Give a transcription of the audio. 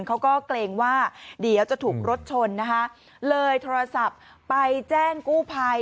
เขาก็เกรงว่าเดี๋ยวจะถูกรถชนนะคะเลยโทรศัพท์ไปแจ้งกู้ภัย